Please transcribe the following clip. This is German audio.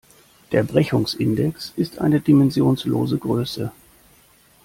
Der Brechungsindex ist eine dimensionslose Größe.